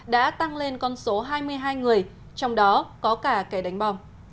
đã tăng lên con số hai mươi hai người trong đó có cả kẻ đánh bom